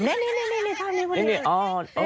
นี่ชาวนี้พอดี